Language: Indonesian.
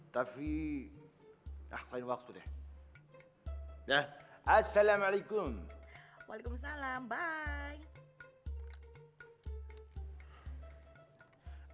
tapi nah lain waktu deh deh assalamualaikum waalaikumsalam bye